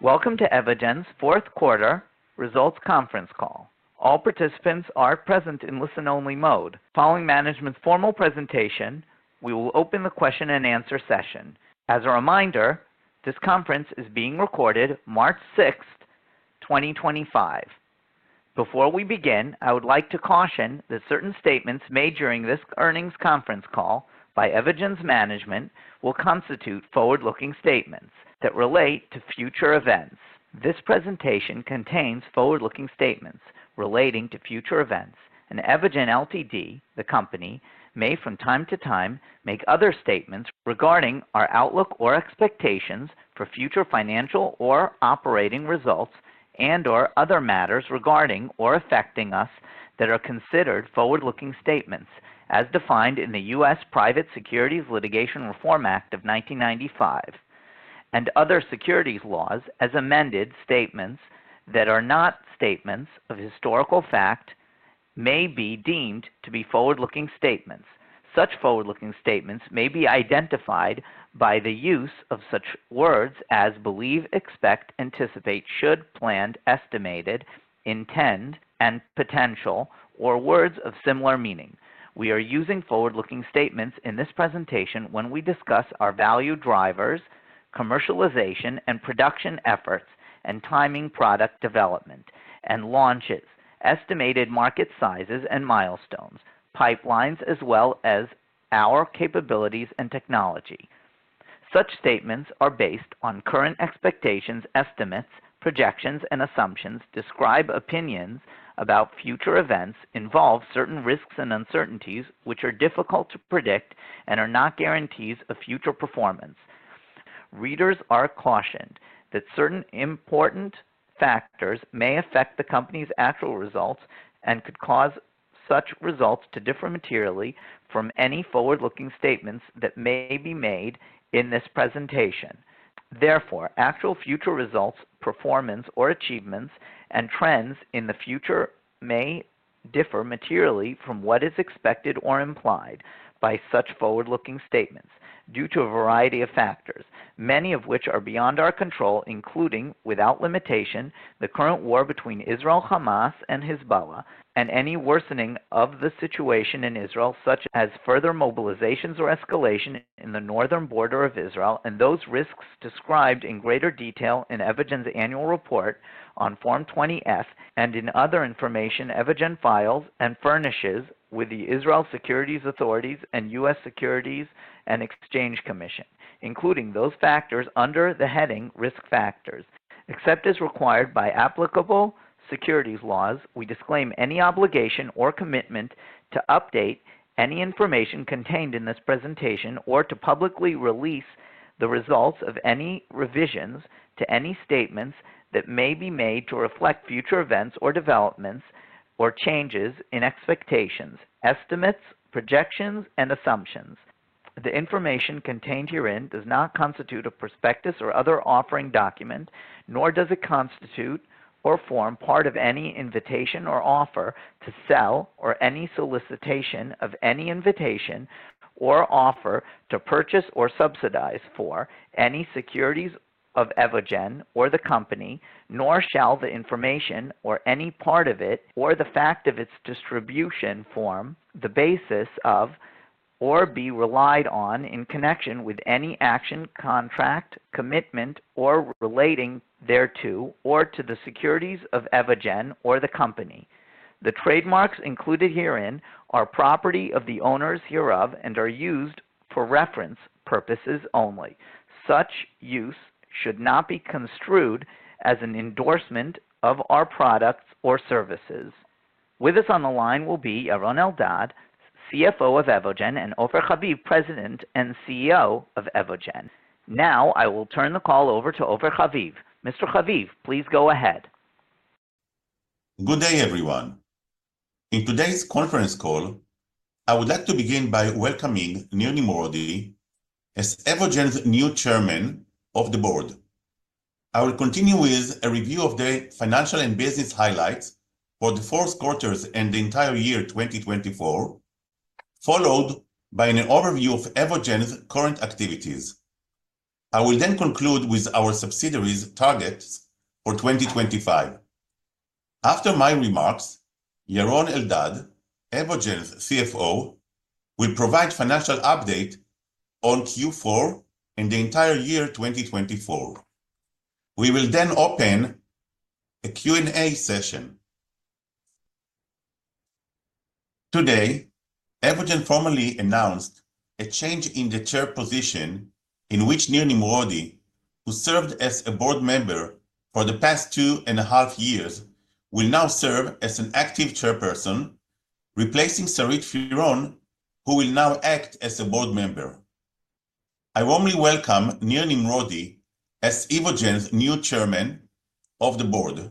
Welcome to Evogene's Q4 Results Conference Call. All participants are present in listen-only mode. Following management's formal presentation, we will open the question-and-answer session. As a reminder, this conference is being recorded March 6th, 2025. Before we begin, I would like to caution that certain statements made during this earnings conference call by Evogene's management will constitute forward-looking statements that relate to future events. This presentation contains forward-looking statements relating to future events, and Evogene Ltd, the company, may from time to time make other statements regarding our outlook or expectations for future financial or operating results and/or other matters regarding or affecting us that are considered forward-looking statements, as defined in the U.S. Private Securities Litigation Reform Act of 1995, and other securities laws as amended. Statements that are not statements of historical fact may be deemed to be forward-looking statements. Such forward-looking statements may be identified by the use of such words as believe, expect, anticipate, should, planned, estimated, intend, and potential, or words of similar meaning. We are using forward-looking statements in this presentation when we discuss our value drivers, commercialization and production efforts, and timing product development and launches, estimated market sizes and milestones, pipelines, as well as our capabilities and technology. Such statements are based on current expectations, estimates, projections, and assumptions, describe opinions about future events, involve certain risks and uncertainties which are difficult to predict, and are not guarantees of future performance. Readers are cautioned that certain important factors may affect the company's actual results and could cause such results to differ materially from any forward-looking statements that may be made in this presentation. Therefore, actual future results, performance, or achievements and trends in the future may differ materially from what is expected or implied by such forward-looking statements due to a variety of factors, many of which are beyond our control, including without limitation the current war between Israel, Hamas, and Hezbollah, and any worsening of the situation in Israel, such as further mobilizations or escalation in the northern border of Israel, and those risks described in greater detail in Evogene's annual report on Form 20-F and in other information Evogene files and furnishes with the Israel Securities Authorities and U.S. Securities and Exchange Commission, including those factors under the heading Risk Factors. Except as required by applicable securities laws, we disclaim any obligation or commitment to update any information contained in this presentation or to publicly release the results of any revisions to any statements that may be made to reflect future events or developments or changes in expectations, estimates, projections, and assumptions. The information contained herein does not constitute a prospectus or other offering document, nor does it constitute or form part of any invitation or offer to sell or any solicitation of any invitation or offer to purchase or subsidize for any securities of Evogene or the company, nor shall the information or any part of it or the fact of its distribution form the basis of or be relied on in connection with any action, contract, commitment, or relating thereto, or to the securities of Evogene or the company. The trademarks included herein are property of the owners hereof and are used for reference purposes only. Such use should not be construed as an endorsement of our products or services. With us on the line will be Yaron Eldad, CFO of Evogene and Ofer Haviv, President and CEO of Evogene. Now I will turn the call over to Ofer Haviv. Mr. Haviv, please go ahead. Good day, everyone. In today's conference call, I would like to begin by welcoming Nir Nimrodi as Evogene's new Chairman of the Board. I will continue with a review of the financial and business highlights for the Q4 and the entire year 2024, followed by an overview of Evogene's current activities. I will then conclude with our subsidiaries' targets for 2025. After my remarks, Yaron Eldad, Evogene's CFO, will provide a financial update on Q4 and the entire year 2024. We will then open a Q&A session. Today, Evogene formally announced a change in the chair position in which Nir Nimrodi, who served as a board member for the past two and a half years, will now serve as an active chairperson, replacing Sarit Firon, who will now act as a board member. I warmly welcome Nir Nimrodi as Evogene's new Chairman of the Board,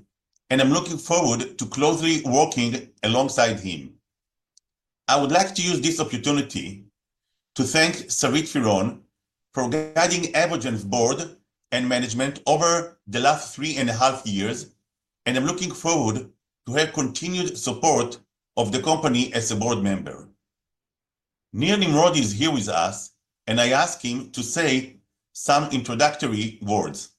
and I'm looking forward to closely working alongside him. I would like to use this opportunity to thank Sarit Firon for guiding Evogene's board and management over the last three and a half years, and I'm looking forward to her continued support of the company as a board member. Nir Nimrodi is here with us, and I ask him to say some introductory words.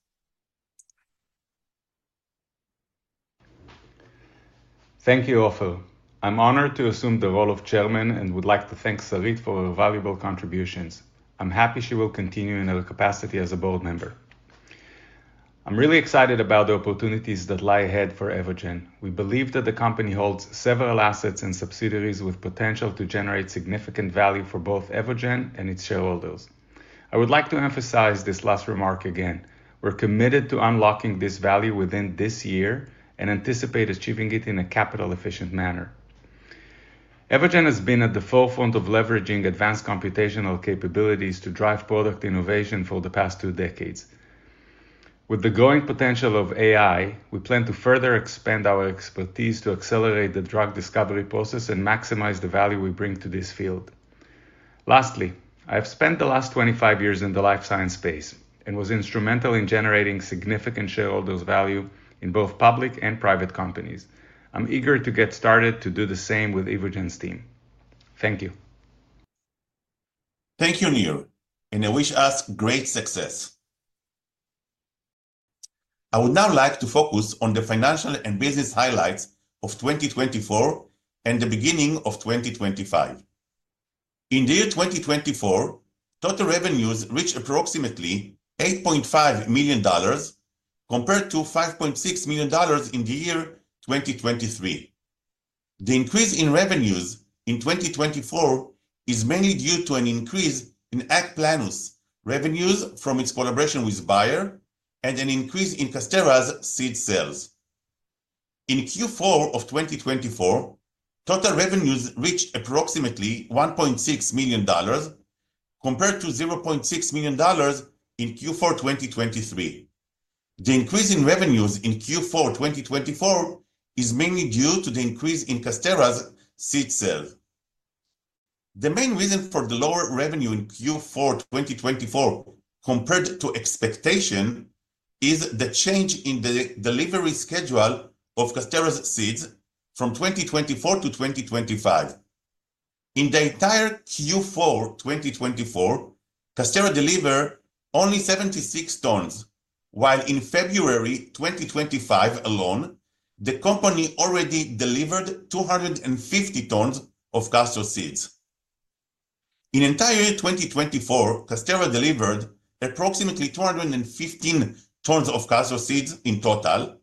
Thank you, Ofer. I'm honored to assume the role of Chairman and would like to thank Sarit for her valuable contributions. I'm happy she will continue in her capacity as a board member. I'm really excited about the opportunities that lie ahead for Evogene. We believe that the company holds several assets and subsidiaries with potential to generate significant value for both Evogene and its shareholders. I would like to emphasize this last remark again. We're committed to unlocking this value within this year and anticipate achieving it in a capital-efficient manner. Evogene has been at the forefront of leveraging advanced computational capabilities to drive product innovation for the past two decades. With the growing potential of AI, we plan to further expand our expertise to accelerate the drug discovery process and maximize the value we bring to this field. Lastly, I have spent the last 25 years in the life science space and was instrumental in generating significant shareholders' value in both public and private companies. I'm eager to get started to do the same with Evogene's team. Thank you. Thank you, Nir, and I wish us great success. I would now like to focus on the financial and business highlights of 2024 and the beginning of 2025. In the year 2024, total revenues reached approximately $8.5 million compared to $5.6 million in the year 2023. The increase in revenues in 2024 is mainly due to an increase in AgPlenus revenues from its collaboration with Bayer and an increase in Casterra's seed sales. In Q4 of 2024, total revenues reached approximately $1.6 million compared to $0.6 million in Q4 2023. The increase in revenues in Q4 2024 is mainly due to the increase in Casterra's seed sales. The main reason for the lower revenue in Q4 2024 compared to expectation is the change in the delivery schedule of Casterra's seeds from 2024 to 2025. In the entire Q4 2024, Casterra delivered only 76 tons, while in February 2025 alone, the company already delivered 250 tons of castor seeds. In the entire year 2024, Casterra delivered approximately 215 tons of castor seeds in total,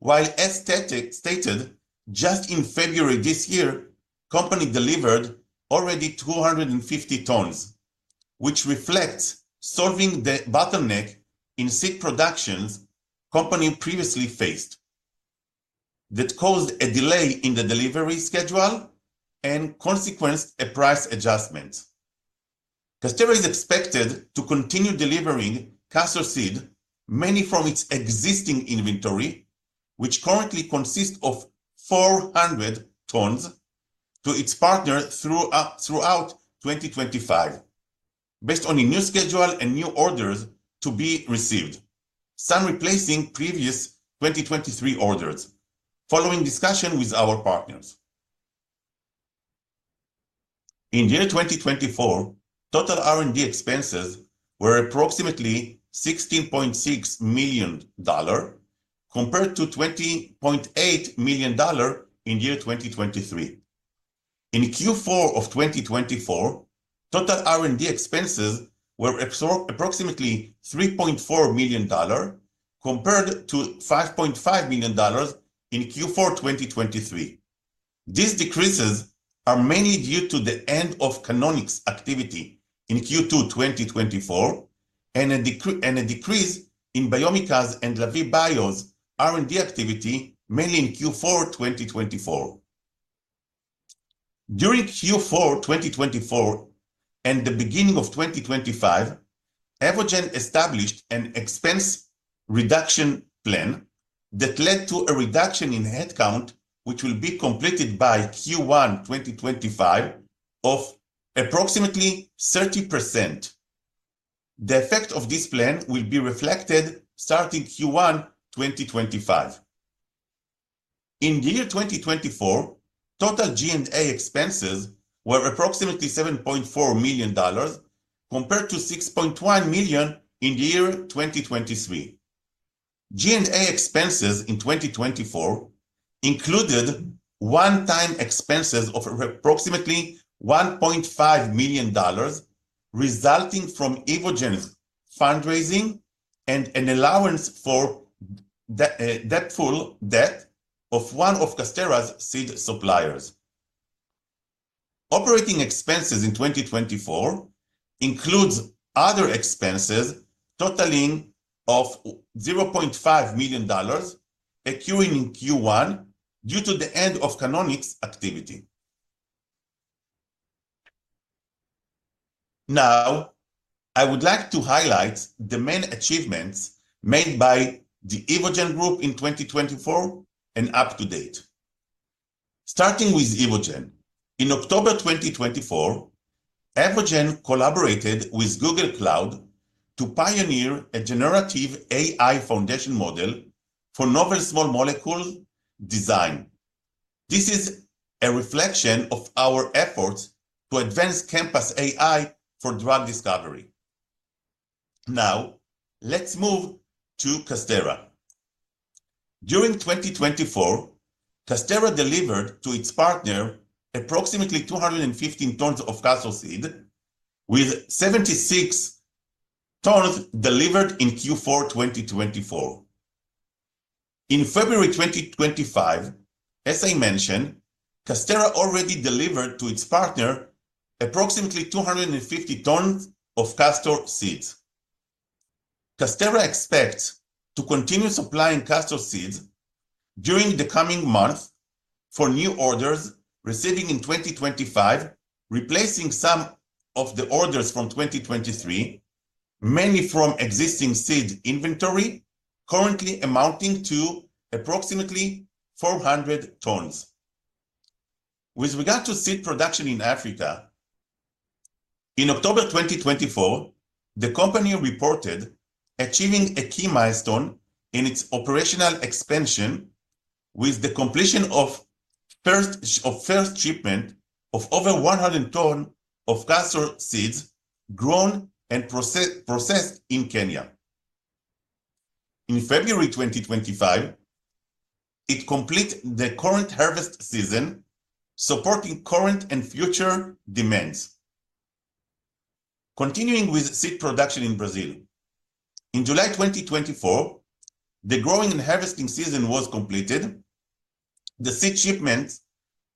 while as stated, just in February this year, the company delivered already 250 tons, which reflects solving the bottleneck in seed productions the company previously faced that caused a delay in the delivery schedule and consequenced a price adjustment. Casterra is expected to continue delivering castor seeds mainly from its existing inventory, which currently consists of 400 tons, to its partners throughout 2025, based on a new schedule and new orders to be received, some replacing previous 2023 orders, following discussion with our partners. In the year 2024, total R&D expenses were approximately $16.6 million compared to $20.8 million in the year 2023. In Q4 of 2024, total R&D expenses were approximately $3.4 million compared to $5.5 million in Q4 2023. These decreases are mainly due to the end of Canonic's activity in Q2 2024 and a decrease in Biomica's and Lavie Bio's R&D activity mainly in Q4 2024. During Q4 2024 and the beginning of 2025, Evogene established an expense reduction plan that led to a reduction in headcount, which will be completed by Q1 2025, of approximately 30%. The effect of this plan will be reflected starting Q1 2025. In the year 2024, total G&A expenses were approximately $7.4 million compared to $6.1 million in the year 2023. G&A expenses in 2024 included one-time expenses of approximately $1.5 million resulting from Evogene's fundraising and an allowance for doubtful debt of one of Casterra's seed suppliers. Operating expenses in 2024 include other expenses totaling $500,000 accruing in Q1 due to the end of Canonic's activity. Now, I would like to highlight the main achievements made by the Evogene Group in 2024 and up to date. Starting with Evogene, in October 2024, Evogene collaborated with Google Cloud to pioneer a generative AI foundation model for novel small molecule design. This is a reflection of our efforts to advance ChemPass AI for drug discovery. Now, let's move to Casterra. During 2024, Casterra delivered to its partner approximately 215 tons of castor seeds, with 76 tons delivered in Q4 2024. In February 2025, as I mentioned, Casterra already delivered to its partner approximately 250 tons of castor seeds. Casterra expects to continue supplying castor seeds during the coming months for new orders receiving in 2025, replacing some of the orders from 2023, mainly from existing seed inventory currently amounting to approximately 400 tons. With regard to seed production in Africa, in October 2024, the company reported achieving a key milestone in its operational expansion with the completion of first shipment of over 100 tons of castor seeds grown and processed in Kenya. In February 2025, it completed the current harvest season, supporting current and future demands. Continuing with seed production in Brazil, in July 2024, the growing and harvesting season was completed. The seed shipment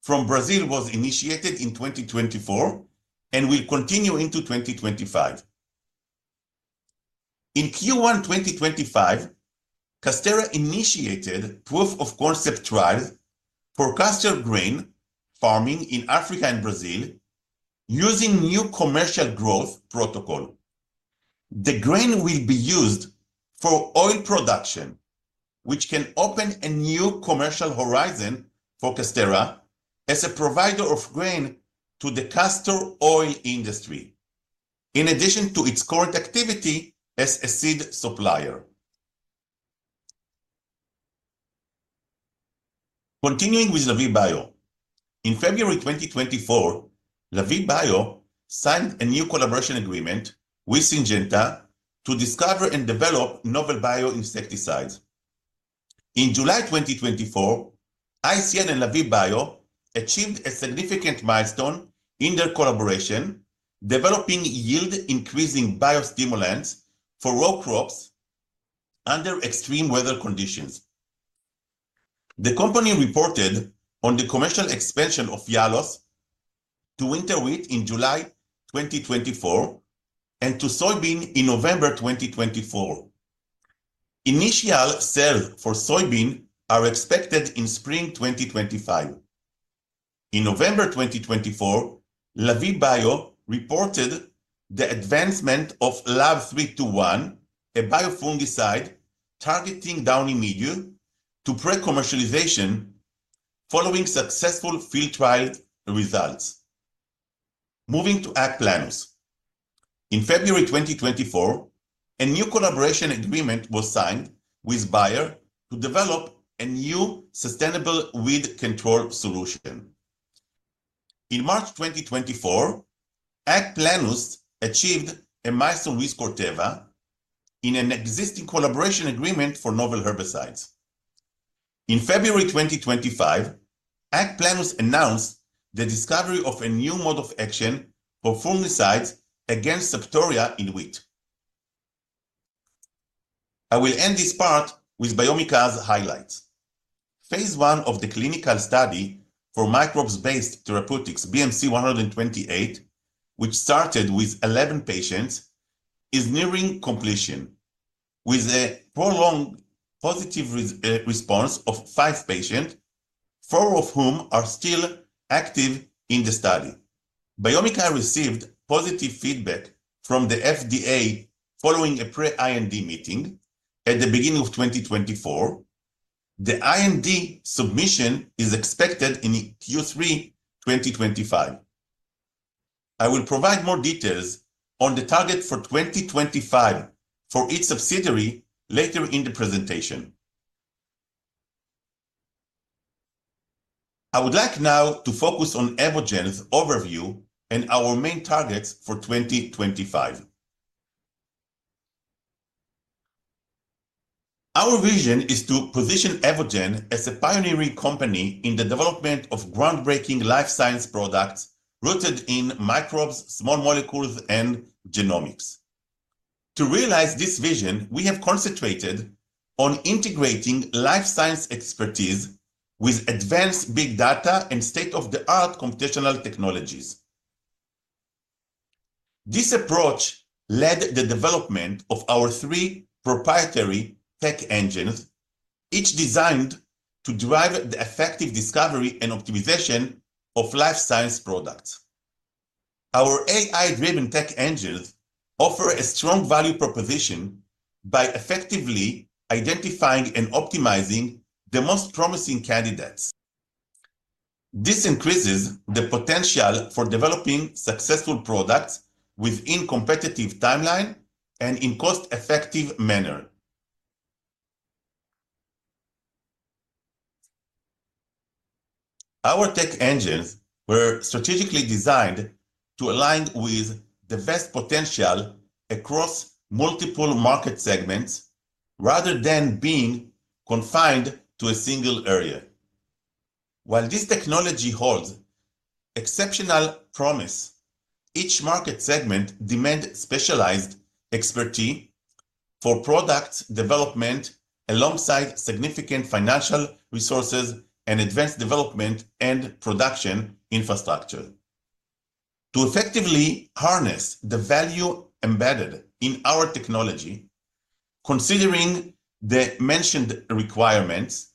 from Brazil was initiated in 2024 and will continue into 2025. In Q1 2025, Casterra initiated proof-of-concept trials for castor grain farming in Africa and Brazil using new commercial growth protocols. The grain will be used for oil production, which can open a new commercial horizon for Casterra as a provider of grain to the castor oil industry, in addition to its current activity as a seed supplier. Continuing with Lavie Bio, in February 2024, Lavie Bio signed a new collaboration agreement with Syngenta to discover and develop novel bioinsecticides. In July 2024, ICL and Lavie Bio achieved a significant milestone in their collaboration, developing yield-increasing biostimulants for row crops under extreme weather conditions. The company reported on the commercial expansion of Yalos to winter wheat in July 2024 and to soybean in November 2024. Initial sales for soybean are expected in spring 2025. In November 2024, Lavie Bio reported the advancement of LAV321, a biofungicide targeting downy mildew, to pre-commercialization following successful field trial results. Moving to AgPlenus, in February 2024, a new collaboration agreement was signed with Bayer to develop a new sustainable weed control solution. In March 2024, AgPlenus achieved a milestone with Corteva in an existing collaboration agreement for novel herbicides. In February 2025, AgPlenus announced the discovery of a new mode of action for fungicides against Septoria in wheat. I will end this part with Biomica's highlights. Phase I of the clinical study for microbiome-based therapeutics, BMC-128, which started with 11 patients, is nearing completion, with a prolonged positive response of five patients, four of whom are still active in the study. Biomica received positive feedback from the FDA following a pre-IND meeting at the beginning of 2024. The IND submission is expected in Q3 2025. I will provide more details on the target for 2025 for each subsidiary later in the presentation. I would like now to focus on Evogene's overview and our main targets for 2025. Our vision is to position Evogene as a pioneering company in the development of groundbreaking life science products rooted in microbes, small molecules, and genomics. To realize this vision, we have concentrated on integrating life science expertise with advanced big data and state-of-the-art computational technologies. This approach led to the development of our three proprietary tech engines, each designed to drive the effective discovery and optimization of life science products. Our AI-driven tech engines offer a strong value proposition by effectively identifying and optimizing the most promising candidates. This increases the potential for developing successful products within a competitive timeline and in a cost-effective manner. Our tech engines were strategically designed to align with the best potential across multiple market segments rather than being confined to a single area. While this technology holds exceptional promise, each market segment demands specialized expertise for product development alongside significant financial resources and advanced development and production infrastructure. To effectively harness the value embedded in our technology, considering the mentioned requirements,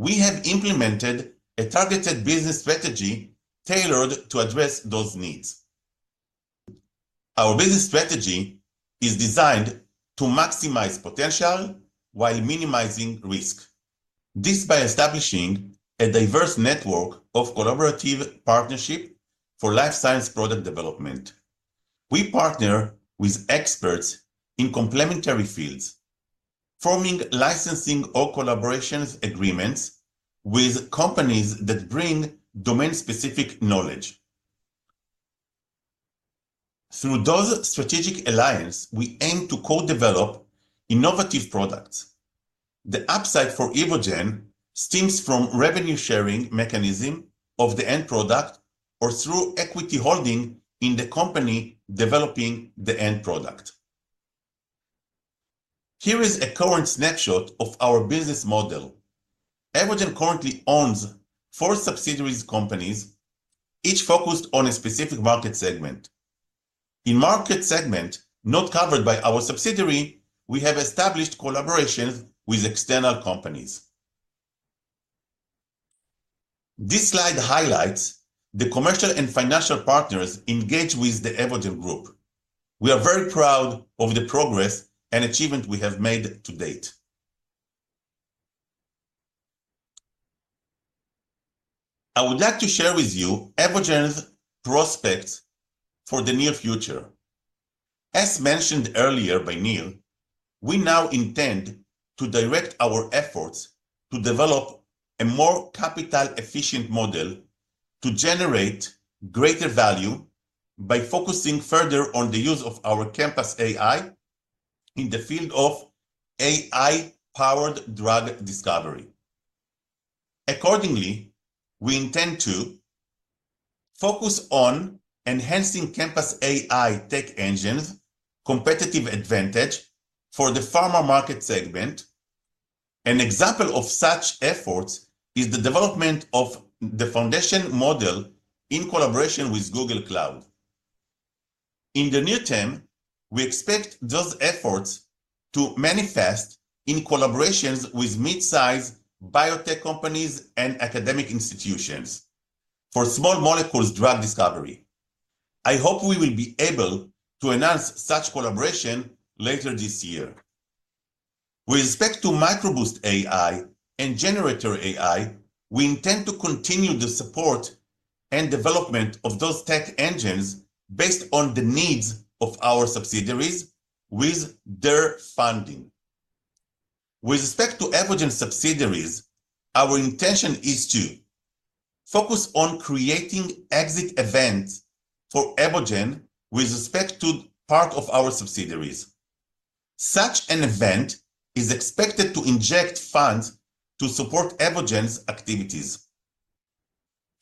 we have implemented a targeted business strategy tailored to address those needs. Our business strategy is designed to maximize potential while minimizing risk. This is by establishing a diverse network of collaborative partnerships for life science product development. We partner with experts in complementary fields, forming licensing or collaboration agreements with companies that bring domain-specific knowledge. Through those strategic alliances, we aim to co-develop innovative products. The upside for Evogene stems from the revenue-sharing mechanism of the end product or through equity holding in the company developing the end product. Here is a current snapshot of our business model. Evogene currently owns four subsidiary companies, each focused on a specific market segment. In market segments not covered by our subsidiary, we have established collaborations with external companies. This slide highlights the commercial and financial partners engaged with the Evogene Group. We are very proud of the progress and achievements we have made to date. I would like to share with you Evogene's prospects for the near future. As mentioned earlier by Nir, we now intend to direct our efforts to develop a more capital-efficient model to generate greater value by focusing further on the use of our ChemPass AI in the field of AI-powered drug discovery. Accordingly, we intend to focus on enhancing ChemPass AI tech engines' competitive advantage for the pharma market segment. An example of such efforts is the development of the foundation model in collaboration with Google Cloud. In the near term, we expect those efforts to manifest in collaborations with mid-size biotech companies and academic institutions for small molecules drug discovery. I hope we will be able to announce such collaboration later this year. With respect to MicroBoost AI and GeneRator AI, we intend to continue the support and development of those tech engines based on the needs of our subsidiaries with their funding. With respect to Evogene subsidiaries, our intention is to focus on creating exit events for Evogene with respect to part of our subsidiaries. Such an event is expected to inject funds to support Evogene's activities.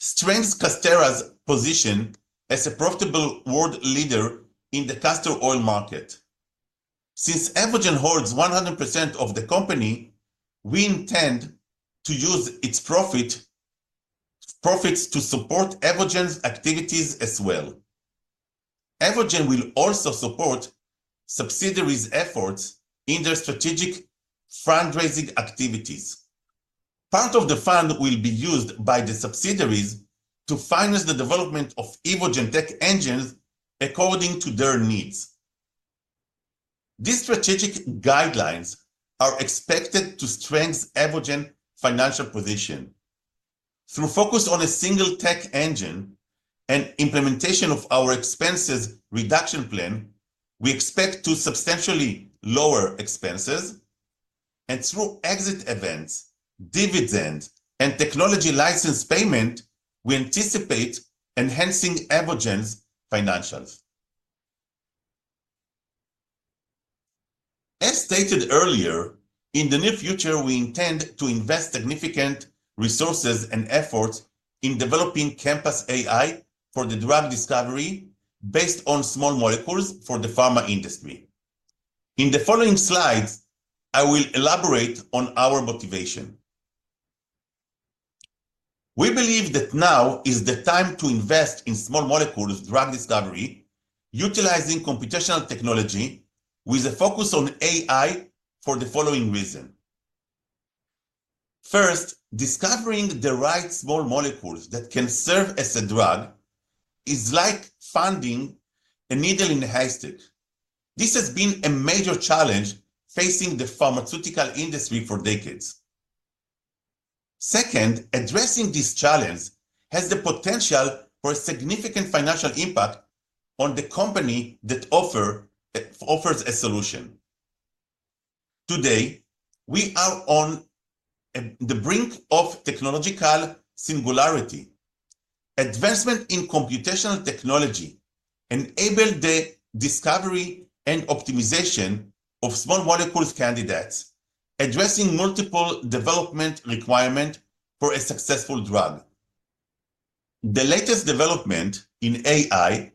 Strengthens Casterra's position as a profitable world leader in the castor oil market. Since Evogene holds 100% of the company, we intend to use its profits to support Evogene's activities as well. Evogene will also support subsidiaries' efforts in their strategic fundraising activities. Part of the fund will be used by the subsidiaries to finance the development of Evogene tech engines according to their needs. These strategic guidelines are expected to strengthen Evogene's financial position. Through focus on a single tech engine and implementation of our expenses reduction plan, we expect to substantially lower expenses. Through exit events, dividends, and technology license payment, we anticipate enhancing Evogene's financials. As stated earlier, in the near future, we intend to invest significant resources and efforts in developing ChemPass AI for the drug discovery based on small molecules for the pharma industry. In the following slides, I will elaborate on our motivation. We believe that now is the time to invest in small molecules drug discovery, utilizing computational technology with a focus on AI for the following reason. First, discovering the right small molecules that can serve as a drug is like finding a needle in a haystack. This has been a major challenge facing the pharmaceutical industry for decades. Second, addressing this challenge has the potential for a significant financial impact on the company that offers a solution. Today, we are on the brink of technological singularity. Advancement in computational technology enables the discovery and optimization of small molecules candidates, addressing multiple development requirements for a successful drug. The latest development in AI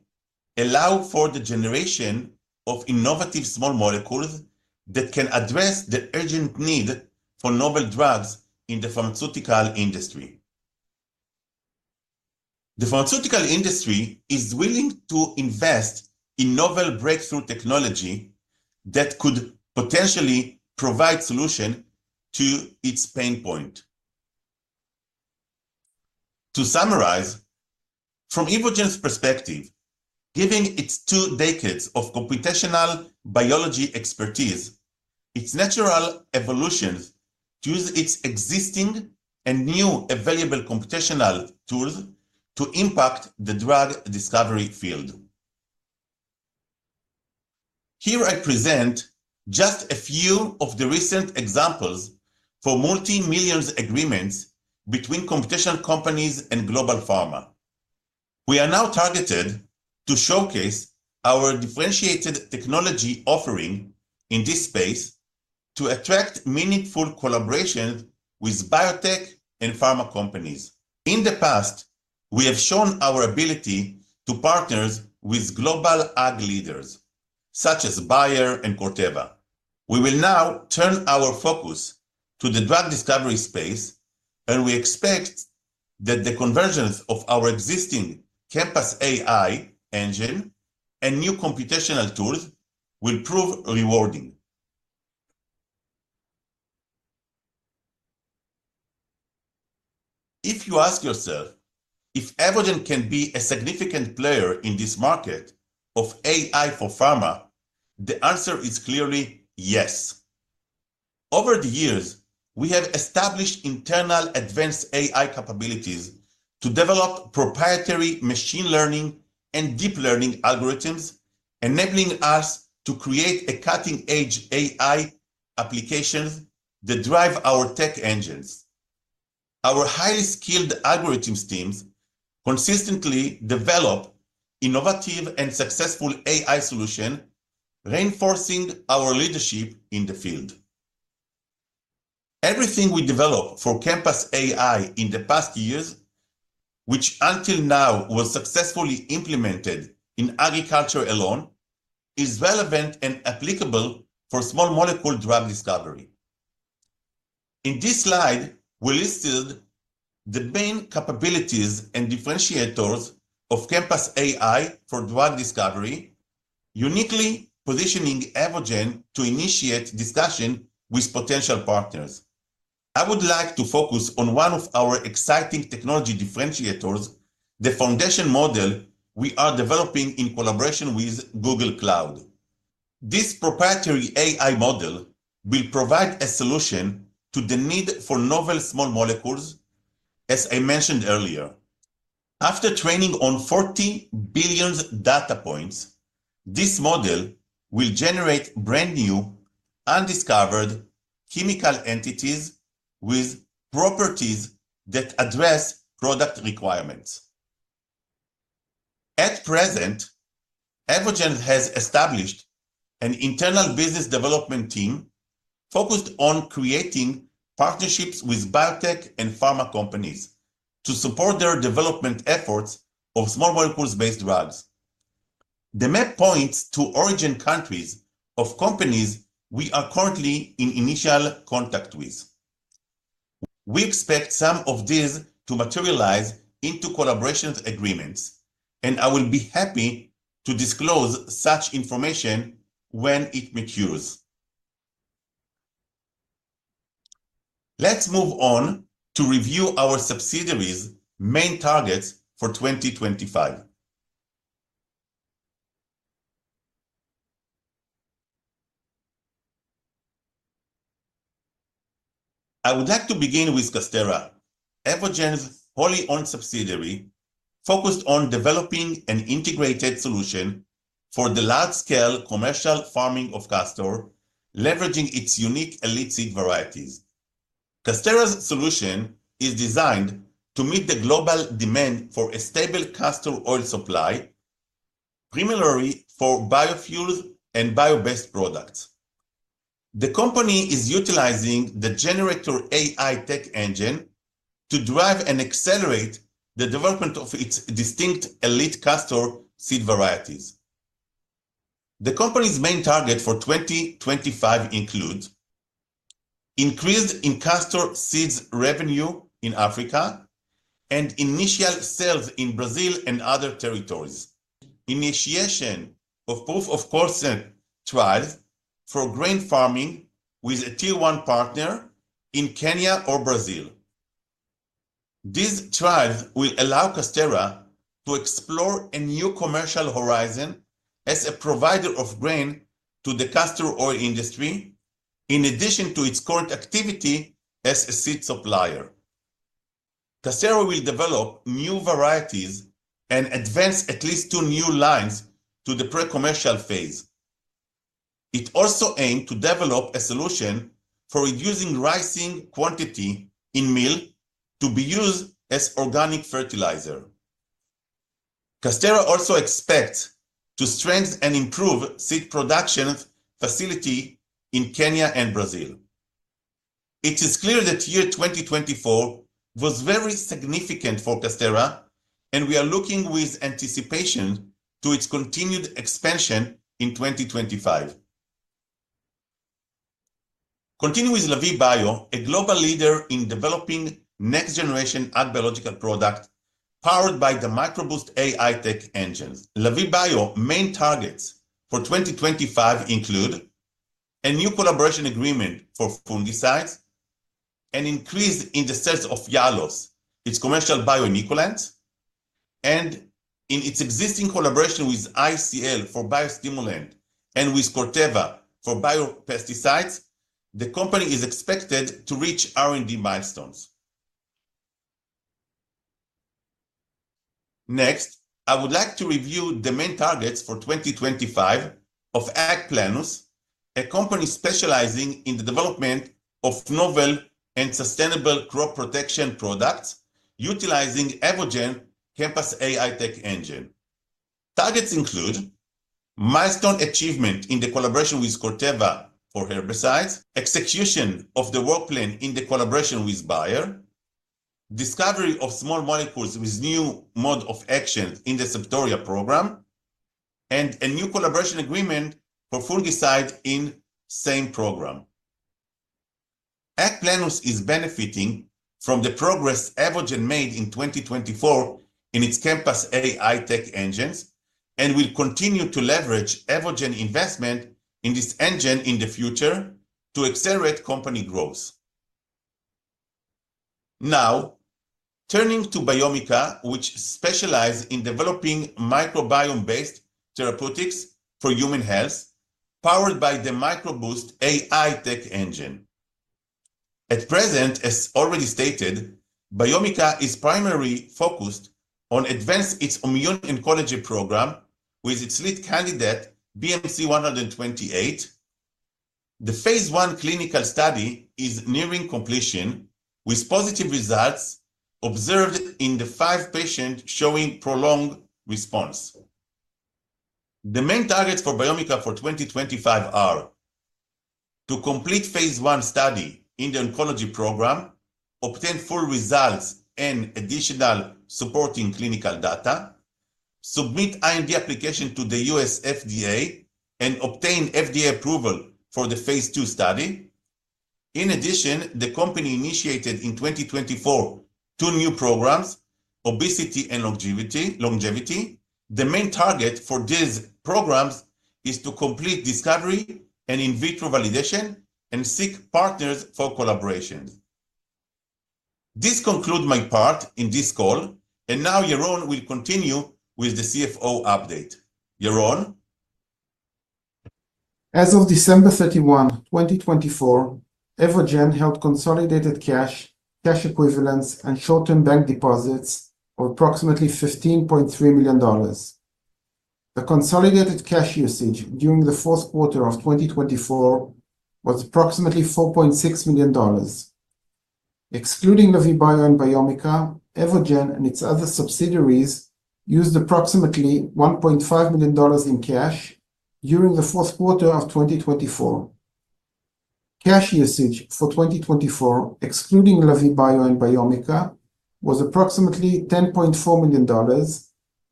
allows for the generation of innovative small molecules that can address the urgent need for novel drugs in the pharmaceutical industry. The pharmaceutical industry is willing to invest in novel breakthrough technology that could potentially provide a solution to its pain point. To summarize, from Evogene's perspective, given its two decades of computational biology expertise, it's natural evolution to use its existing and new available computational tools to impact the drug discovery field. Here I present just a few of the recent examples for multi-million agreements between computational companies and global pharma. We are now targeted to showcase our differentiated technology offering in this space to attract meaningful collaborations with biotech and pharma companies. In the past, we have shown our ability to partner with global AG leaders such as Bayer and Corteva. We will now turn our focus to the drug discovery space, and we expect that the convergence of our existing ChemPass AI engine and new computational tools will prove rewarding. If you ask yourself if Evogene can be a significant player in this market of AI for pharma, the answer is clearly yes. Over the years, we have established internal advanced AI capabilities to develop proprietary machine learning and deep learning algorithms, enabling us to create cutting-edge AI applications that drive our tech engines. Our highly skilled algorithms teams consistently develop innovative and successful AI solutions, reinforcing our leadership in the field. Everything we develop for ChemPass AI in the past years, which until now was successfully implemented in agriculture alone, is relevant and applicable for small molecule drug discovery. In this slide, we listed the main capabilities and differentiators of ChemPass AI for drug discovery, uniquely positioning Evogene to initiate discussion with potential partners. I would like to focus on one of our exciting technology differentiators, the foundation model we are developing in collaboration with Google Cloud. This proprietary AI model will provide a solution to the need for novel small molecules, as I mentioned earlier. After training on 40 billion data points, this model will generate brand-new, undiscovered chemical entities with properties that address product requirements. At present, Evogene has established an internal business development team focused on creating partnerships with biotech and pharma companies to support their development efforts of small molecules-based drugs. The map points to origin countries of companies we are currently in initial contact with. We expect some of these to materialize into collaboration agreements, and I will be happy to disclose such information when it matures. Let's move on to review our subsidiaries' main targets for 2025. I would like to begin with Casterra, Evogene's wholly owned subsidiary, focused on developing an integrated solution for the large-scale commercial farming of castor, leveraging its unique elite seed varieties. Casterra's solution is designed to meet the global demand for a stable castor oil supply, primarily for biofuels and bio-based products. The company is utilizing the GeneRator AI tech engine to drive and accelerate the development of its distinct elite castor seed varieties. The company's main target for 2025 includes increased castor seeds revenue in Africa and initial sales in Brazil and other territories, initiation of proof-of-concept trials for grain farming with a tier-one partner in Kenya or Brazil. These trials will allow Casterra to explore a new commercial horizon as a provider of grain to the castor oil industry, in addition to its current activity as a seed supplier. Casterra will develop new varieties and advance at least two new lines to the pre-commercial phase. It also aims to develop a solution for reducing ricin quantity in meal to be used as organic fertilizer. Casterra also expects to strengthen and improve seed production facilities in Kenya and Brazil. It is clear that the year 2024 was very significant for Casterra, and we are looking with anticipation to its continued expansion in 2025. Continue with Lavie Bio, a global leader in developing next-generation ag biological products powered by the MicroBoost AI tech engines. Lavie Bio's main targets for 2025 include a new collaboration agreement for fungicides, an increase in the sales of Yalos, its commercial bioinnoculant, and in its existing collaboration with ICL for biostimulants and with Corteva for biopesticides. The company is expected to reach R&D milestones. Next, I would like to review the main targets for 2025 of AgPlenus, a company specializing in the development of novel and sustainable crop protection products utilizing Evogene GeneRator AI tech engine. Targets include milestone achievement in the collaboration with Corteva for herbicides, execution of the work plan in the collaboration with Bayer, discovery of small molecules with new mode of action in the Septoria program, and a new collaboration agreement for fungicides in the same program. AgPlenus is benefiting from the progress Evogene made in 2024 in its ChemPass AI tech engines and will continue to leverage Evogene's investment in this engine in the future to accelerate company growth. Now, turning to Biomica, which specializes in developing microbiome-based therapeutics for human health powered by the MicroBoost AI tech engine. At present, as already stated, Biomica is primarily focused on advancing its immuno-oncology program with its lead candidate, BMC-128. The phase I clinical study is nearing completion with positive results observed in the five patients showing prolonged response. The main targets for Biomica for 2025 are to complete phase I study in the oncology program, obtain full results and additional supporting clinical data, submit IND application to the US FDA, and obtain FDA approval for the phase II study. In addition, the company initiated in 2024 two new programs, Obesity and Longevity. The main target for these programs is to complete discovery and in vitro validation and seek partners for collaborations. This concludes my part in this call, and now Yaron will continue with the CFO update. Yaron. As of December 31, 2024, Evogene held consolidated cash, cash equivalents, and short-term bank deposits of approximately $15.3 million. The consolidated cash usage during the Q4 of 2024 was approximately $4.6 million. Excluding Lavie Bio and Biomica, Evogene and its other subsidiaries used approximately $1.5 million in cash during the Q4 of 2024. Cash usage for 2024, excluding Lavie Bio and Biomica, was approximately $10.4 million,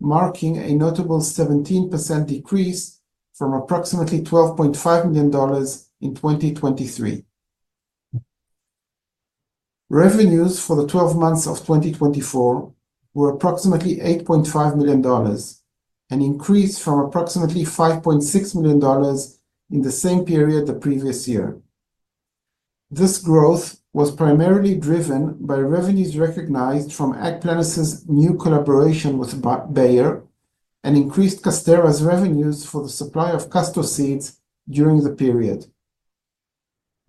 marking a notable 17% decrease from approximately $12.5 million in 2023. Revenues for the 12 months of 2024 were approximately $8.5 million, an increase from approximately $5.6 million in the same period the previous year. This growth was primarily driven by revenues recognized from AgPlenus's new collaboration with Bayer and increased Casterra's revenues for the supply of castor seeds during the period.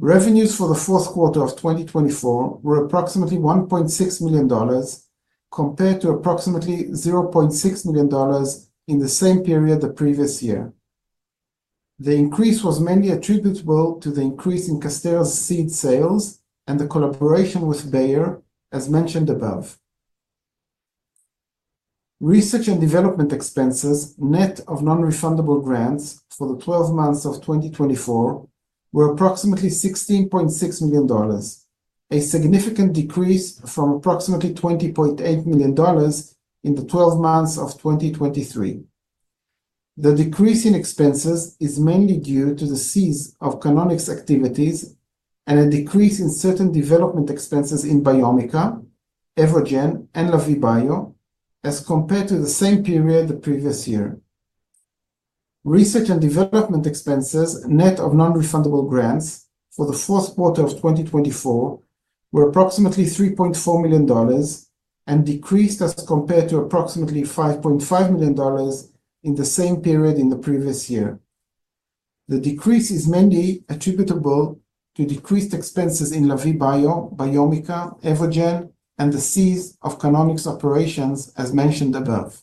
Revenues for the Q4 of 2024 were approximately $1.6 million compared to approximately $0.6 million in the same period the previous year. The increase was mainly attributable to the increase in Casterra's seed sales and the collaboration with Bayer, as mentioned above. Research and development expenses, net of non-refundable grants for the 12 months of 2024, were approximately $16.6 million, a significant decrease from approximately $20.8 million in the 12 months of 2023. The decrease in expenses is mainly due to the cease of Canonic's activities and a decrease in certain development expenses in Biomica, Evogene, and Lavie Bio as compared to the same period the previous year. Research and development expenses, net of non-refundable grants for the Q4 of 2024, were approximately $3.4 million and decreased as compared to approximately $5.5 million in the same period in the previous year. The decrease is mainly attributable to decreased expenses in Lavie Bio, Biomica, Evogene, and the cease of Canonic's operations, as mentioned above.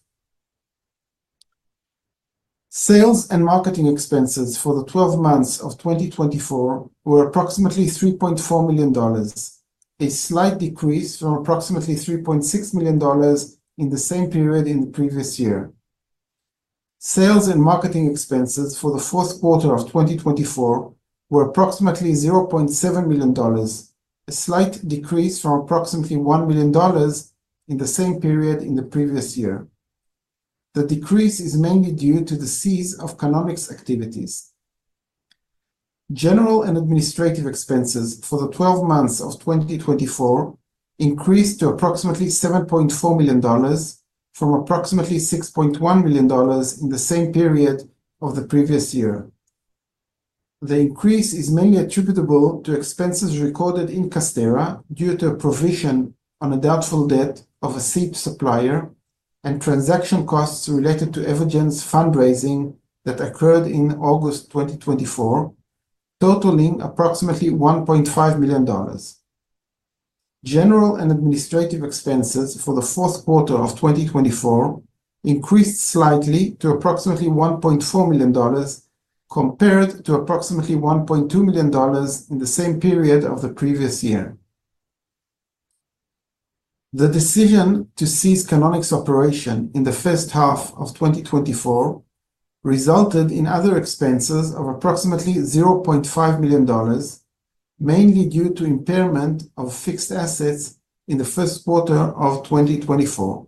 Sales and marketing expenses for the 12 months of 2024 were approximately $3.4 million, a slight decrease from approximately $3.6 million in the same period in the previous year. Sales and marketing expenses for the Q4 of 2024 were approximately $0.7 million, a slight decrease from approximately $1 million in the same period in the previous year. The decrease is mainly due to the cease of Canonic's activities. General and administrative expenses for the 12 months of 2024 increased to approximately $7.4 million from approximately $6.1 million in the same period of the previous year. The increase is mainly attributable to expenses recorded in Casterra due to a provision on a doubtful debt of a seed supplier and transaction costs related to Evogene's fundraising that occurred in August 2024, totaling approximately $1.5 million. General and administrative expenses for the Q4 of 2024 increased slightly to approximately $1.4 million compared to approximately $1.2 million in the same period of the previous year. The decision to cease Canonic's operation in the first half of 2024 resulted in other expenses of approximately $0.5 million, mainly due to impairment of fixed assets in the Q1 of 2024.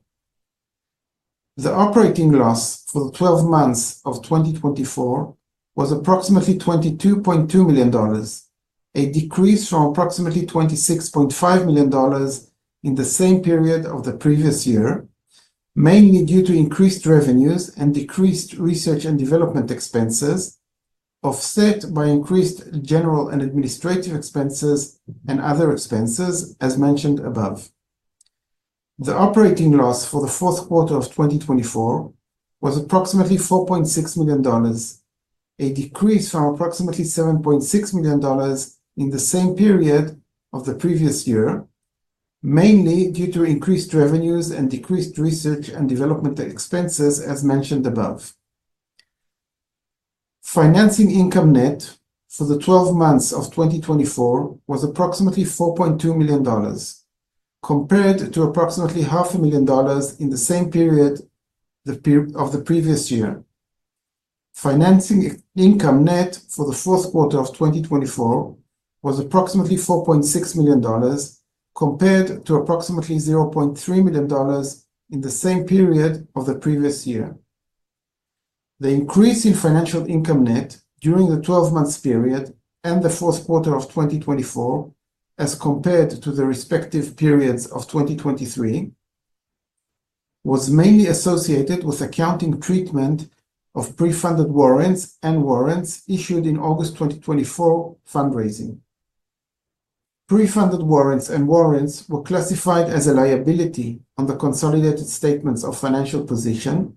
The operating loss for the 12 months of 2024 was approximately $22.2 million, a decrease from approximately $26.5 million in the same period of the previous year, mainly due to increased revenues and decreased research and development expenses offset by increased general and administrative expenses and other expenses, as mentioned above. The operating loss for the Q4 of 2024 was approximately $4.6 million, a decrease from approximately $7.6 million in the same period of the previous year, mainly due to increased revenues and decreased research and development expenses, as mentioned above. Financing income net for the 12 months of 2024 was approximately $4.2 million, compared to approximately $500,000 in the same period of the previous year. Financing income net for the Q4 of 2024 was approximately $4.6 million, compared to approximately $0.3 million in the same period of the previous year. The increase in financial income net during the 12-month period and the Q4 of 2024, as compared to the respective periods of 2023, was mainly associated with accounting treatment of pre-funded warrants and warrants issued in August 2024 fundraising. Pre-funded warrants and warrants were classified as a liability on the consolidated statements of financial position,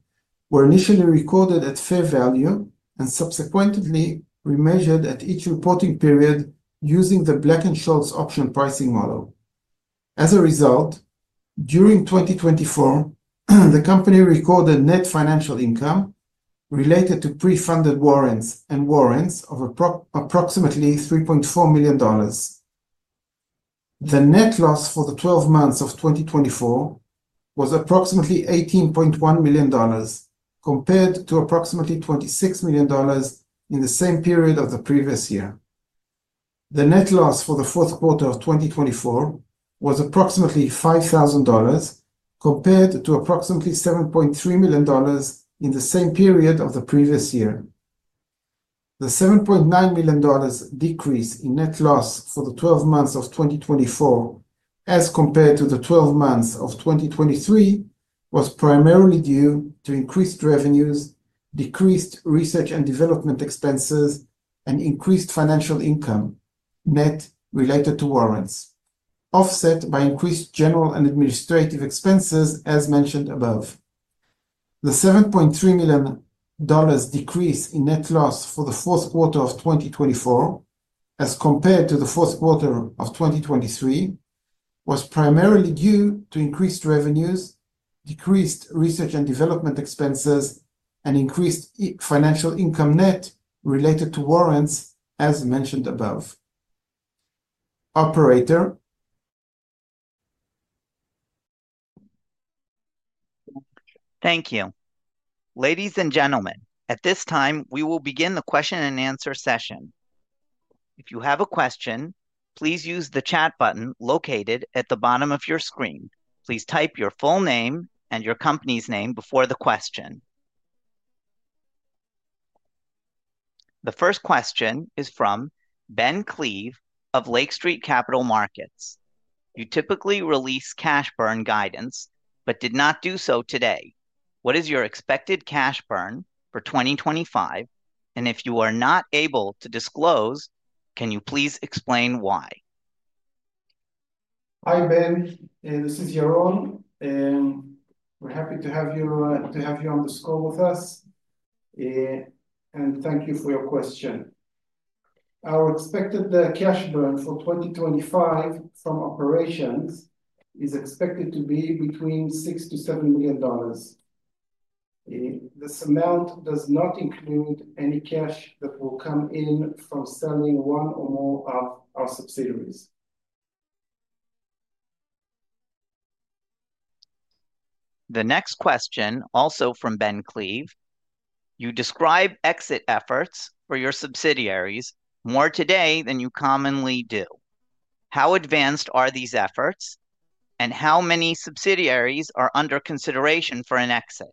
were initially recorded at fair value, and subsequently remeasured at each reporting period using the Black-Scholes option pricing model. As a result, during 2024, the company recorded net financial income related to pre-funded warrants and warrants of approximately $3.4 million. The net loss for the 12 months of 2024 was approximately $18.1 million, compared to approximately $26 million in the same period of the previous year. The net loss for the Q4 of 2024 was approximately $5,000, compared to approximately $7.3 million in the same period of the previous year. The $7.9 million decrease in net loss for the 12 months of 2024, as compared to the 12 months of 2023, was primarily due to increased revenues, decreased research and development expenses, and increased financial income net related to warrants, offset by increased general and administrative expenses, as mentioned above. The $7.3 million decrease in net loss for the Q4 of 2024, as compared to the Q4 of 2023, was primarily due to increased revenues, decreased research and development expenses, and increased financial income net related to warrants, as mentioned above. Operator. Thank you. Ladies and gentlemen, at this time, we will begin the question-and-answer session. If you have a question, please use the chat button located at the bottom of your screen. Please type your full name and your company's name before the question. The first question is from Ben Klieve of Lake Street Capital Markets. You typically release cash burn guidance but did not do so today. What is your expected cash burn for 2025? If you are not able to disclose, can you please explain why? Hi, Ben. This is Yaron. We're happy to have you on the call with us, and thank you for your question. Our expected cash burn for 2025 from operations is expected to be between $6-$7 million. This amount does not include any cash that will come in from selling one or more of our subsidiaries. The next question, also from Ben Klieve. You describe exit efforts for your subsidiaries more today than you commonly do. How advanced are these efforts, and how many subsidiaries are under consideration for an exit?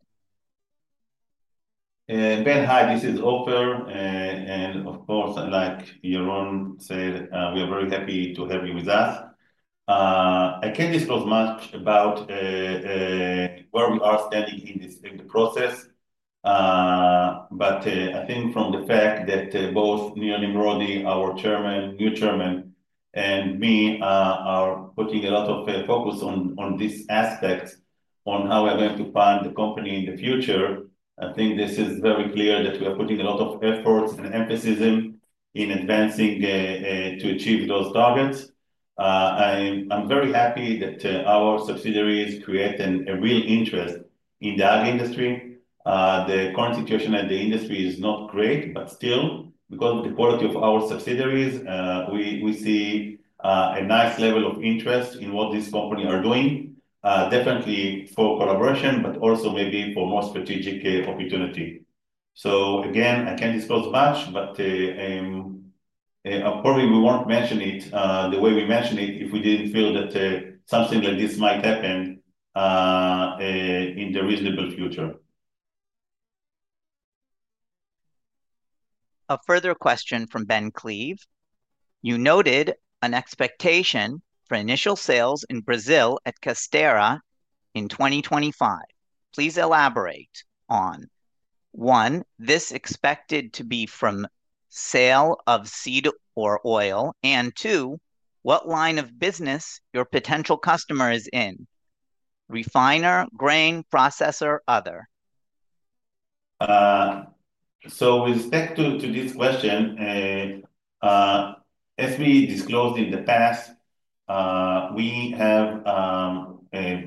Ben, hi. This is Ofer, and of course, like Yaron said, we are very happy to have you with us. I can't disclose much about where we are standing in the process, but I think from the fact that both Nir Nimrodi, our new Chairman, and me are putting a lot of focus on this aspect, on how we are going to fund the company in the future, I think this is very clear that we are putting a lot of efforts and emphasis in advancing to achieve those targets. I'm very happy that our subsidiaries create a real interest in the ag industry. The current situation at the industry is not great, but still, because of the quality of our subsidiaries, we see a nice level of interest in what this company is doing, definitely for collaboration, but also maybe for more strategic opportunity. Again, I can't disclose much, but probably we won't mention it the way we mention it if we didn't feel that something like this might happen in the reasonable future. A further question from Ben Klieve. You noted an expectation for initial sales in Brazil at Casterra in 2025. Please elaborate on, one, is this expected to be from sale of seed or oil, and two, what line of business your potential customer is in? Refiner, grain processor, other. With respect to this question, as we disclosed in the past, we have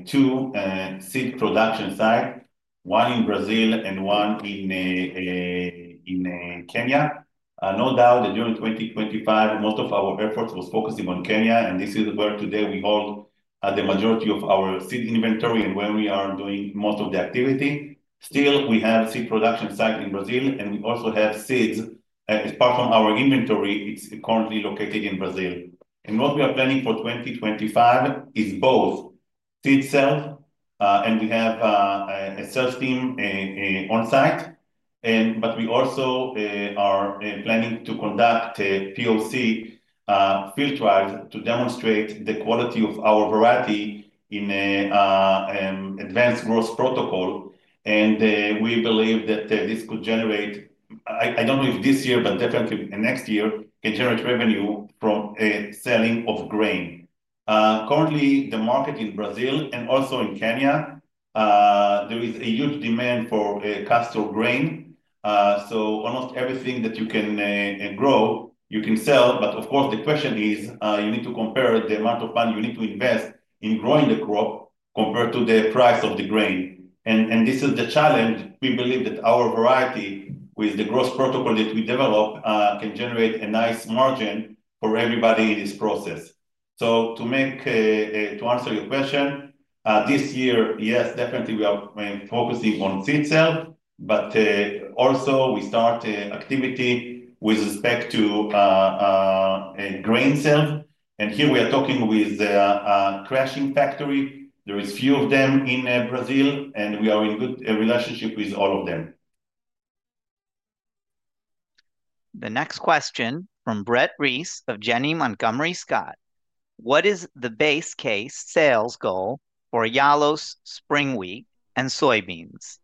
two seed production sites, one in Brazil and one in Kenya. No doubt that during 2025, most of our efforts were focusing on Kenya, and this is where today we hold the majority of our seed inventory and where we are doing most of the activity. Still, we have seed production sites in Brazil, and we also have seeds apart from our inventory. It's currently located in Brazil. What we are planning for 2025 is both seed sales, and we have a sales team on site, but we also are planning to conduct POC field trials to demonstrate the quality of our variety in advanced growth protocol. We believe that this could generate, I don't know if this year, but definitely next year, can generate revenue from selling of grain. Currently, the market in Brazil and also in Kenya, there is a huge demand for castor grain. Almost everything that you can grow, you can sell. Of course, the question is you need to compare the amount of money you need to invest in growing the crop compared to the price of the grain. This is the challenge. We believe that our variety, with the growth protocol that we develop, can generate a nice margin for everybody in this process. To answer your question, this year, yes, definitely we are focusing on seed sales, but also we start activity with respect to grain sales. Here we are talking with a crushing factory. There are a few of them in Brazil, and we are in good relationship with all of them. The next question from Brett Reiss of Janney Montgomery Scott. What is the base case sales goal for Yalos spring wheat and soybeans?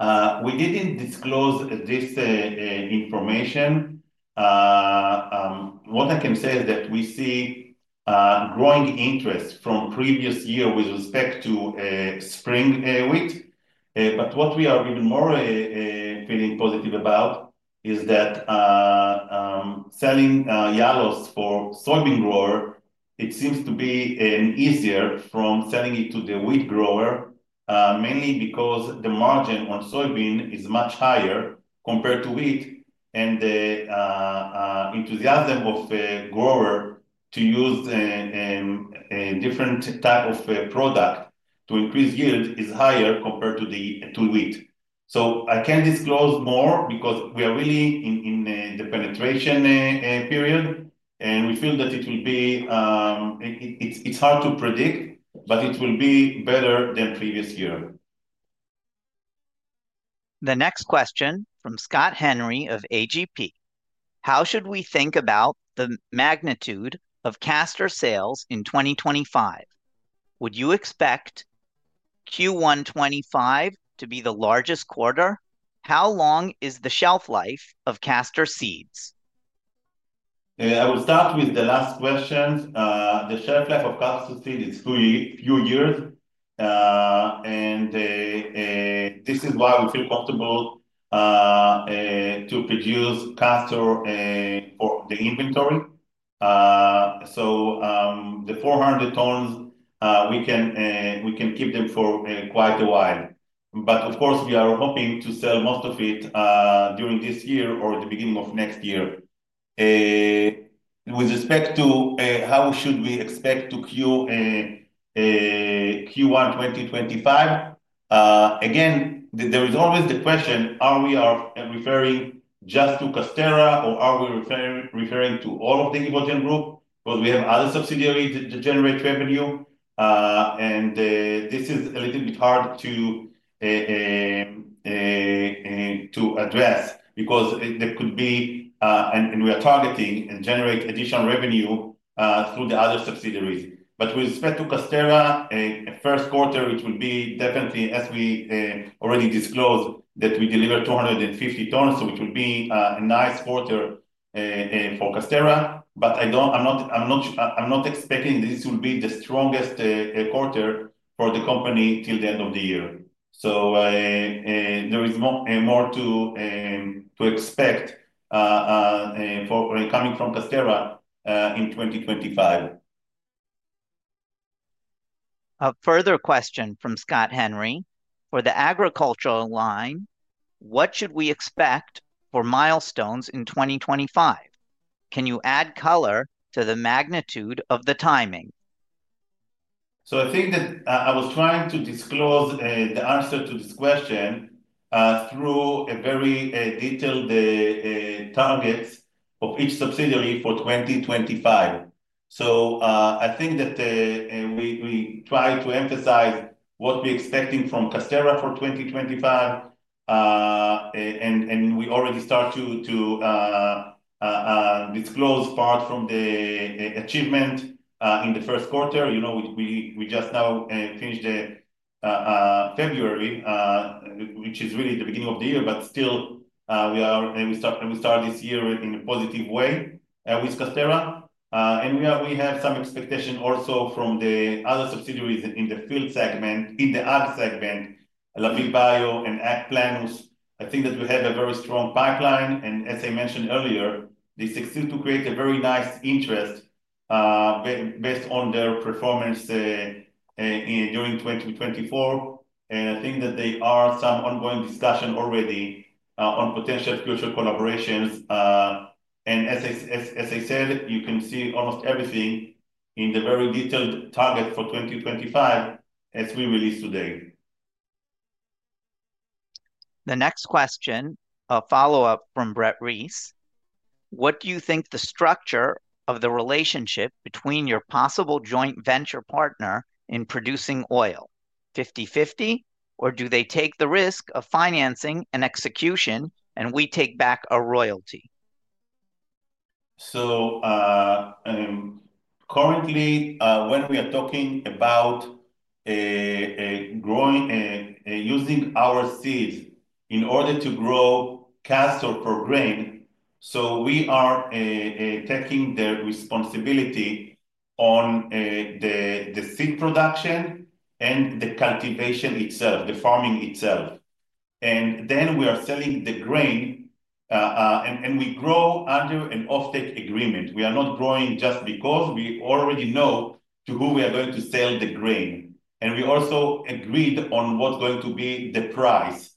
We did not disclose this information. What I can say is that we see growing interest from previous year with respect to spring wheat. What we are even more feeling positive about is that selling Yalos for soybean grower, it seems to be easier from selling it to the wheat grower, mainly because the margin on soybean is much higher compared to wheat, and the enthusiasm of a grower to use a different type of product to increase yield is higher compared to wheat. I can't disclose more because we are really in the penetration period, and we feel that it will be hard to predict, but it will be better than previous year. The next question from Scott Henry of AGP. How should we think about the magnitude of castor sales in 2025? Would you expect Q1 2025 to be the largest quarter? How long is the shelf life of castor seeds? I will start with the last question. The shelf life of castor seed is a few years, and this is why we feel comfortable to produce castor for the inventory. The 400 tons, we can keep them for quite a while. But of course, we are hoping to sell most of it during this year or the beginning of next year. With respect to how should we expect to queue Q1 2025, again, there is always the question, are we referring just to Casterra, or are we referring to all of the Evogene Group? Because we have other subsidiaries that generate revenue, and this is a little bit hard to address because there could be, and we are targeting and generating additional revenue through the other subsidiaries. With respect to Casterra, Q1, it will be definitely, as we already disclosed, that we deliver 250 tons, so it will be a nice quarter for Casterra. I'm not expecting this will be the strongest quarter for the company till the end of the year. There is more to expect coming from Casterra in 2025. A further question from Scott Henry. For the agricultural line, what should we expect for milestones in 2025? Can you add color to the magnitude of the timing? I think that I was trying to disclose the answer to this question through very detailed targets of each subsidiary for 2025. I think that we try to emphasize what we're expecting from Casterra for 2025, and we already start to disclose part from the achievement in the Q1. We just now finished February, which is really the beginning of the year, but still, we start this year in a positive way with Casterra. We have some expectations also from the other subsidiaries in the field segment, in the ag segment, Lavie Bio and AgPlenus. I think that we have a very strong pipeline, and as I mentioned earlier, they succeeded to create a very nice interest based on their performance during 2024. I think that there are some ongoing discussions already on potential future collaborations. As I said, you can see almost everything in the very detailed targets for 2025 as we release today. The next question, a follow-up from Brett Reiss. What do you think the structure of the relationship between your possible joint venture partner in producing oil? 50/50, or do they take the risk of financing and execution and we take back a royalty? Currently, when we are talking about using our seeds in order to grow castor for grain, we are taking the responsibility on the seed production and the cultivation itself, the farming itself. We are selling the grain, and we grow under an offtake agreement. We are not growing just because we already know to whom we are going to sell the grain. We also agreed on what is going to be the price.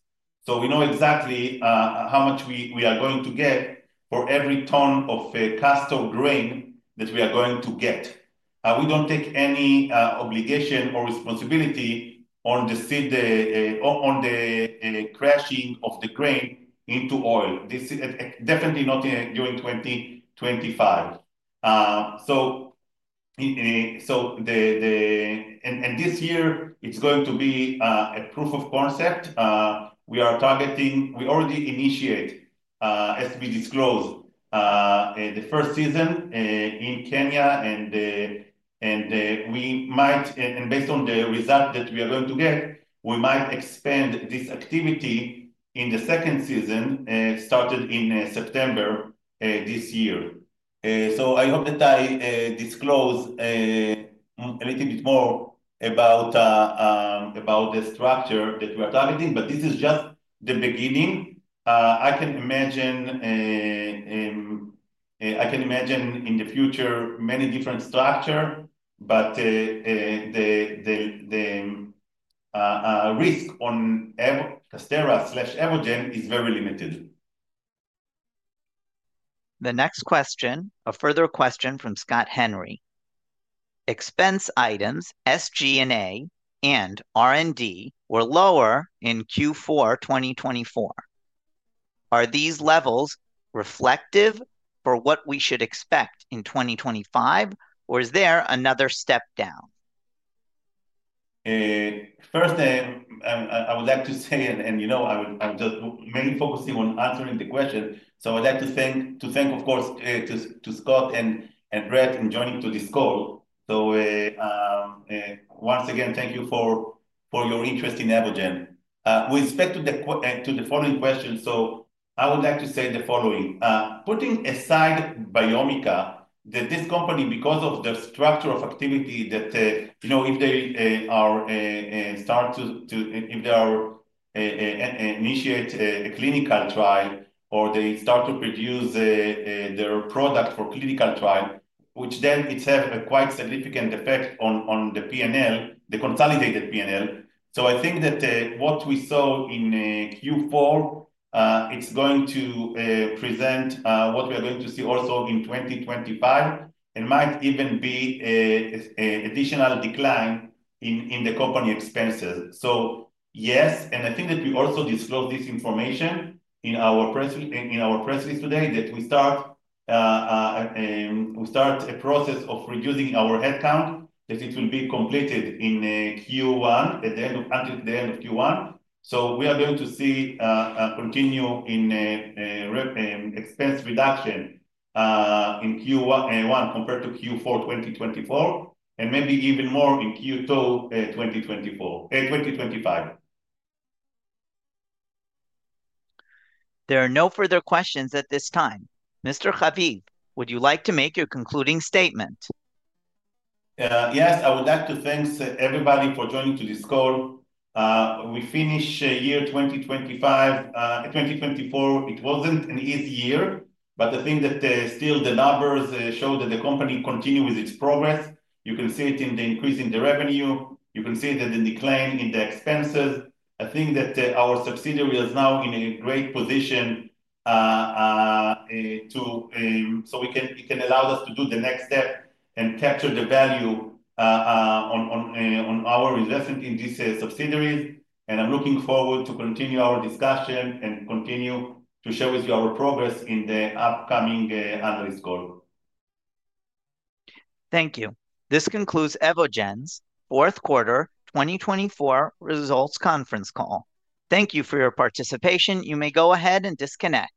We know exactly how much we are going to get for every ton of castor grain that we are going to get. We do not take any obligation or responsibility on the seed or on the crushing of the grain into oil. This is definitely not during 2025. This year, it is going to be a proof of concept. We are targeting, we already initiate, as we disclosed, the first season in Kenya, and we might, and based on the result that we are going to get, we might expand this activity in the second season started in September this year. I hope that I disclose a little bit more about the structure that we are targeting, but this is just the beginning. I can imagine in the future many different structures, but the risk on Casterra/Evogene is very limited. The next question, a further question from Scott Henry. Expense items SG&A and R&D were lower in Q4 2024. Are these levels reflective for what we should expect in 2025, or is there another step down? First, I would like to say, and I'm just mainly focusing on answering the question, I would like to thank, of course, to Scott and Brett for joining to this call. Once again, thank you for your interest in Evogene. With respect to the following question, I would like to say the following. Putting aside Biomica, this company, because of the structure of activity that if they start to, if they initiate a clinical trial or they start to produce their product for clinical trial, which then has a quite significant effect on the P&L, the consolidated P&L. I think that what we saw in Q4 is going to present what we are going to see also in 2025, and might even be an additional decline in the company expenses. Yes, and I think that we also disclose this information in our press release today that we start a process of reducing our headcount, that it will be completed in Q1, at the end of Q1. We are going to see a continued expense reduction in Q1 compared to Q4 2024, and maybe even more in Q2 2025. There are no further questions at this time. Mr. Haviv, would you like to make your concluding statement? Yes, I would like to thank everybody for joining to this call. We finished year 2024. It wasn't an easy year, but I think that still the numbers show that the company continues with its progress. You can see it in the increase in the revenue. You can see that in the decline in the expenses. I think that our subsidiary is now in a great position to, so it can allow us to do the next step and capture the value on our investment in these subsidiaries. I am looking forward to continue our discussion and continue to share with you our progress in the upcoming analyst call. Thank you. This concludes Evogene's Q4 2024 Results Conference Call. Thank you for your participation. You may go ahead and disconnect.